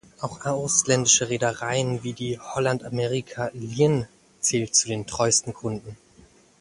Auch ausländische Reedereien, wie die Holland-Amerika Lijn, zählten zu den treuesten Kunden.